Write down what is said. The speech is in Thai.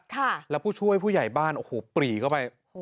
แล้วผู้ช่วยผู้ใหญ่บ้านโอ้โหปรีเข้าไป